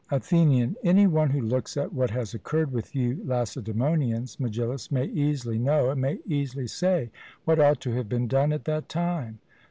ATHENIAN: Any one who looks at what has occurred with you Lacedaemonians, Megillus, may easily know and may easily say what ought to have been done at that time.